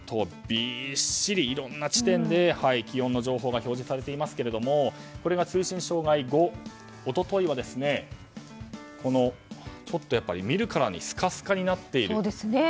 びっしりいろんな地点で気温の情報が表示されていますがこれが通信障害後、一昨日はちょっと見るからにスカスカになっている。